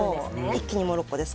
一気にモロッコです。